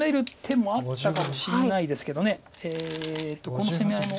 この攻め合いも。